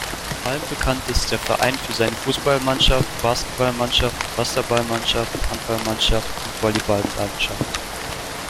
Vor allem bekannt ist der Verein für seine Fußballmannschaft, Basketballmannschaft, Wasserballmannschaft, Handballmannschaft und Volleyballmannschaft.